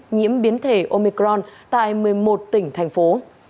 nhiễm biến thể omicron tại một mươi một tỉnh thành phố